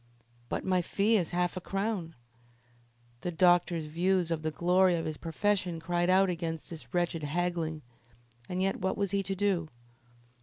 "But my fee is half a crown." The doctor's views of the glory of his profession cried out against this wretched haggling, and yet what was he to do?